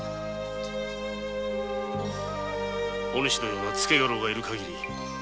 お主のような付家老がいるかぎり